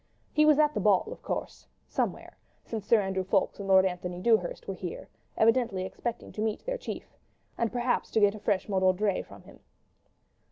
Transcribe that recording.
He was at the ball, of course, somewhere, since Sir Andrew Ffoulkes and Lord Antony Dewhurst were here, evidently expecting to meet their chief—and perhaps to get a fresh mot d'ordre from him.